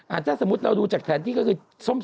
อาจจะสมมุติเราดูจากแถนที่ก็คือส้มอะ